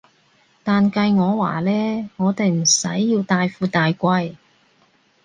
但計我話呢，我哋唔使要大富大貴